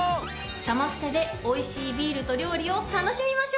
サマステでおいしいビールと料理を楽しみましょう！